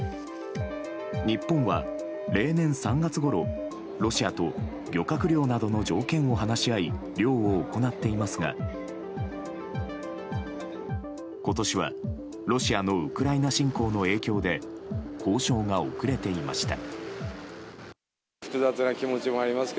日本は、例年３月ごろロシアと漁獲量などの条件を話し合い漁を行っていますが今年はロシアのウクライナ侵攻の影響で交渉が遅れていました。